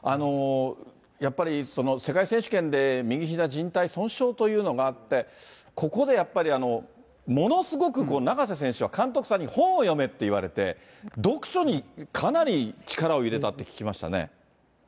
やっぱり世界選手権で右ひざじん帯損傷というのがあって、ここでやっぱりものすごく永瀬選手は監督さんに本を読めって言われて、読書にかなり力を入れたって聞きましたね。